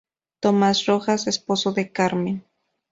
Tomas Rojas Esposo de Carmen.